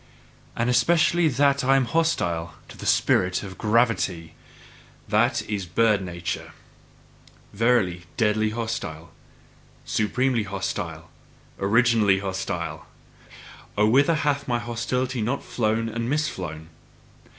And especially that I am hostile to the spirit of gravity, that is bird nature: verily, deadly hostile, supremely hostile, originally hostile! Oh, whither hath my hostility not flown and misflown!